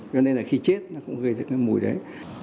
cho nên là khi chết nó cũng gây ra cái mùi đấy